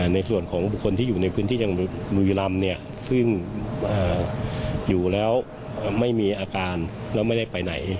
ในส่วนของบุคคลที่อยู่ในพื้นที่จังหวัดบุรีรำซึ่งอยู่แล้วไม่มีอาการแล้วไม่ได้ไปไหน